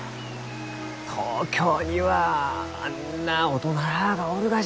東京にはあんな大人らあがおるがじゃのう。